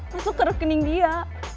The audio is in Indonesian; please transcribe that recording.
masuk ke rekening dia